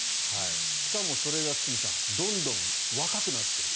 しかも堤さんそれがどんどん若くなっている。